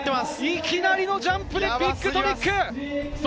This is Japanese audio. いきなりのジャンプでビッグトリック！